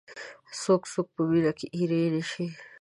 څو څوک په مینه کې اېرې نه شي.